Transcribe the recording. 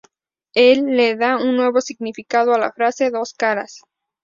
Él le da un nuevo significado a la frase "dos caras".